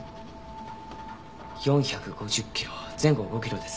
４５０キロ前後５キロです。